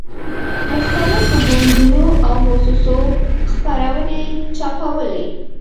مختلفو ګوندونو او موسسو خپرونې چاپولې.